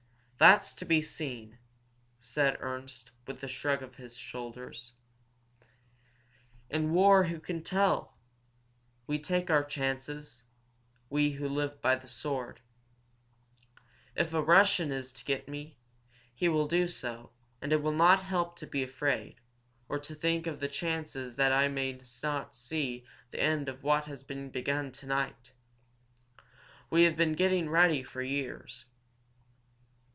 "That's to be seen," said Ernst, with a shrug of the shoulders. "In war who can tell? We take our chances, we who live by the sword. If a Russian is to get me, he will do so, and it will not help to be afraid, or to think of the chances that I may not see the end of what has been begun to night! We have been getting ready for years.